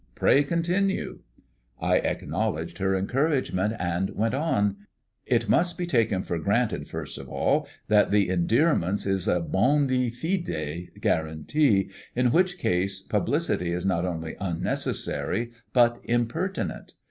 Pray continue." I acknowledged her encouragement, and went on. "It must be taken for granted, first of all, that the endearment is a bonâ fide guarantee, in which case publicity is not only unnecessary, but impertinent.